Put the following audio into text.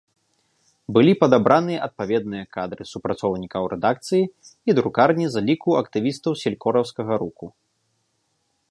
Былі падабраны адпаведныя кадры супрацоўнікаў рэдакцыі і друкарні з ліку актывістаў селькораўскага руху.